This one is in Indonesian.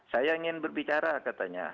saya ingin berbicara katanya